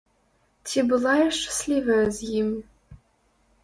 Ці была я шчаслівая з ім?